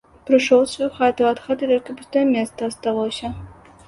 Прыйшоў у сваю хату, а ад хаты толькі пустое месца асталося.